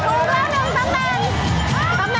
๕หลักสวย